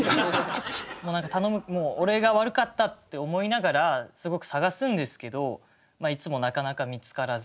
もう何か頼む俺が悪かったって思いながらすごく探すんですけどいつもなかなか見つからず。